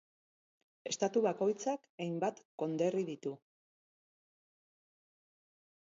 Estatu bakoitzak hainbat konderri ditu.